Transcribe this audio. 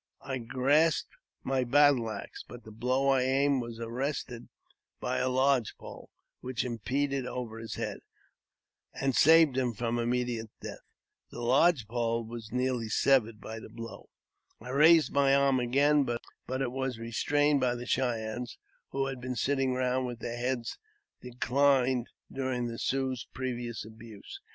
I grasped my battle axe, but the blow I aimed was arrested by a lodge pole, which impended over his head, and saved him from immediate death. The lodge pole was nearly severed with the blow. I raised my arm again, but it was restrained by the Cheyennes, who had been sitting round with their heads decUned during the Sioux's previous abuse.